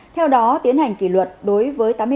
theo đó tiến hành kỷ luật đối với